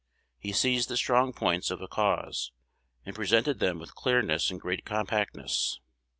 He seized the strong points of a cause, and presented them with clearness and great compactness.